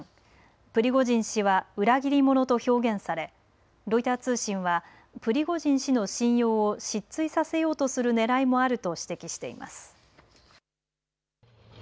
プリゴジン氏は裏切り者と表現されロイター通信はプリゴジン氏の信用を失墜させようとするねらいもあると指摘しています。